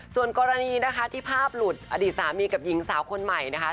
ส่วนกรณีนะคะที่ภาพหลุดอดีตสามีกับหญิงสาวคนใหม่นะคะ